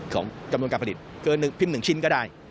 ของจำนวนการผลิตเกินพิมพ์๑ชิ้นก็ได้